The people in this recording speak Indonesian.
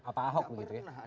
apa ahok begitu ya